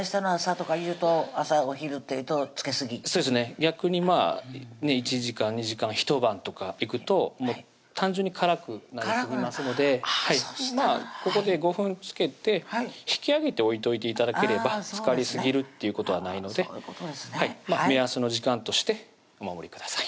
逆に１時間２時間一晩とかいくと単純に辛くなりすぎますのでここで５分漬けて引き上げて置いといて頂ければ漬かりすぎるっていうことはないので目安の時間としてお守りください